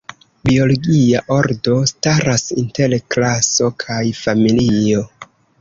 Biologia ordo staras inter klaso kaj familio.